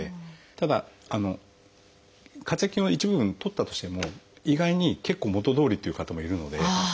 ただ括約筋は一部分取ったとしても意外に結構元どおりという方もいるので。